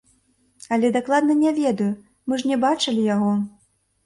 Але дакладна не ведаю, мы ж не бачылі яго.